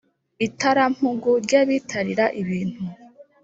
itarampugu rya bitarira ibintu